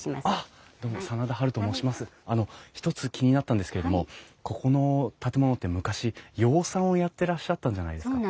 あの１つ気になったんですけれどもここの建物って昔養蚕をやってらっしゃったんじゃないですか？